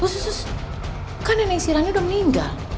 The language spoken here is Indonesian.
sus sus kan nenek sirani udah meninggal